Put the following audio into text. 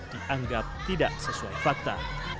dianggap tidak sesuai fakta